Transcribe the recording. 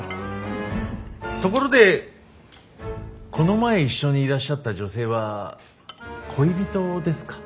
ところでこの前一緒にいらっしゃった女性は恋人ですか？